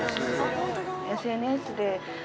ＳＮＳで＃